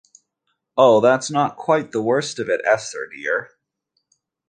Oh, that's not quite the worst of it, Esther dear!